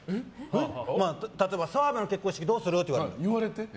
例えば澤部の結婚式どうする？って言われて。